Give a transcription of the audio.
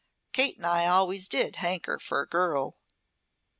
Kate and I always did hanker for a girl."